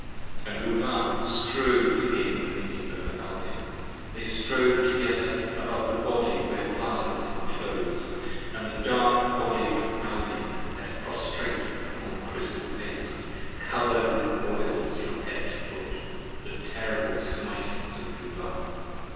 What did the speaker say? And Luvah strove to gain dominion over Albion: They strove together above the Body where Vala was inclos'd, And the dark Body of Albion left prostrate upon the crystal pavement: Cover'd with boils from head to foot: the terrible smitings of Luvah.